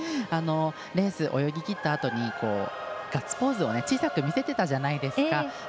レース泳ぎきったあとにガッツポーズを小さく見せてたじゃないですか。